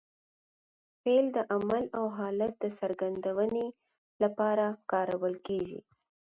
فعل د عمل او حالت د څرګندوني له پاره کارول کېږي.